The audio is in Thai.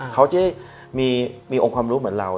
เขาจะได้มีองค์ความรู้เหมือนเรา